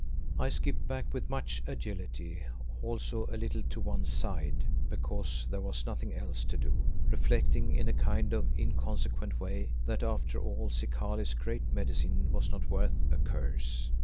I skipped back with much agility, also a little to one side, because there was nothing else to do, reflecting in a kind of inconsequent way, that after all Zikali's Great Medicine was not worth a curse.